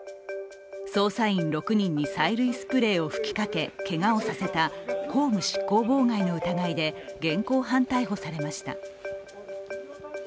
捜査員６人に催涙スプレーを吹きかけけがをさせた公務執行妨害の疑いで現行犯逮捕されました。